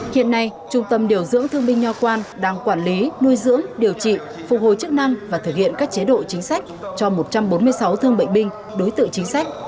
hiện nay trung tâm điều dưỡng thương binh nho quan đang quản lý nuôi dưỡng điều trị phục hồi chức năng và thực hiện các chế độ chính sách cho một trăm bốn mươi sáu thương bệnh binh đối tượng chính sách